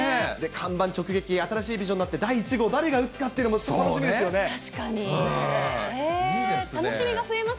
看板直撃、新しいビジョンになって、第１号、誰が打つかっていうのも楽しみですよね。